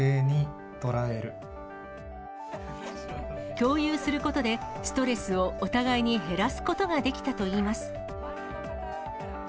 共有することで、ストレスをお互いに減らすことができたといいます。